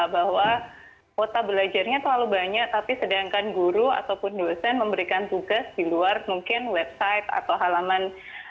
bahwa kuota belajarnya terlalu banyak tapi sedangkan guru ataupun dosen memberikan tugas di luar mungkin website atau halaman